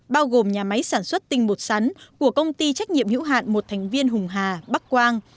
bao gồm nhà máy sản xuất tinh bột sắn của công ty trách nhiệm hữu hạn một thành viên hùng hà bắc quang